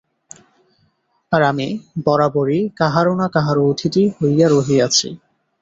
আর আমি বরাবরই কাহারও না কাহারও অতিথি হইয়া রহিয়াছি।